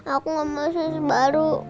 aku mau sus baru